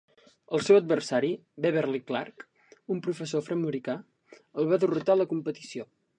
El seu adversari, Beverly Clark, un professor afroamericà, el va derrotar a la competició.